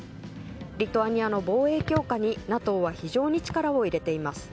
リトアニアの防衛強化にＮＡＴＯは非常に力を入れています。